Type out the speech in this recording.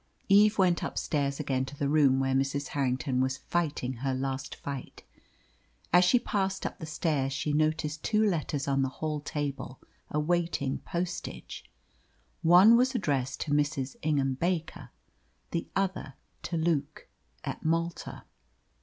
Eve went upstairs again to the room where Mrs. Harrington was fighting her last fight. As she passed up the stairs, she noticed two letters on the hall table awaiting postage; one was addressed to Mrs. Ingham Baker, the other to Luke, at Malta.